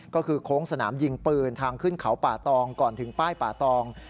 ก็คือโค้งสนามยิงปืนทางขึ้นเขาป่าตองก่อนถึงป้ายป่าตอง